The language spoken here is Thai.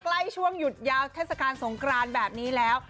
ใกล้ช่วงหยุดยาวเทศกาลสงครานแบบนี้แล้ว